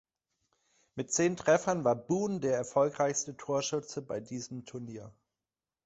Mit zehn Treffern war Boon der erfolgreichste Torschütze bei diesem Turnier.